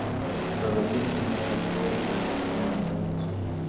• په غزل کي مي هر توری نا آرام سو -